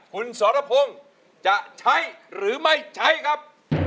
คุณสรพงศ์จะใช้หรือไม่ใช้ครับ